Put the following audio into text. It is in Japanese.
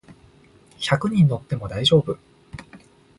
百人乗っても大丈夫